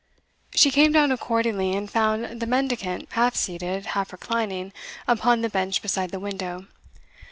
She came down accordingly, and found the mendicant half seated, half reclining, upon the bench beside the window.